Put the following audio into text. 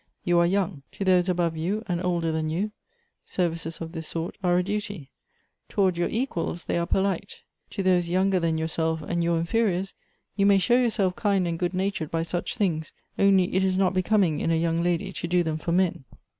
You are young. To those above you, and older than you, services of this sort are a duty ; towards your equals they are polite ; to those younger than yourself and your inferi ors you may show yourself kind and good natured by such things, — only it is not becoming in a young lady to do them for men."